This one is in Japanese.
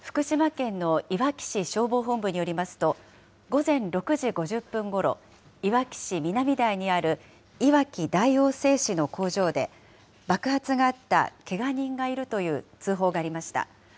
福島県のいわき市消防本部によりますと、午前６時５０分ごろ、いわき市南台にあるいわき大王製紙の工場で、爆発があった、けが人がいるという通報がありました。